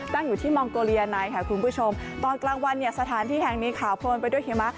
ตั้งอยู่ที่มองโกเลียไนค่ะคุณผู้ชมตอนกลางวันเนี่ยสถานที่แห่งนี้ขาวโพนไปด้วยหิมะ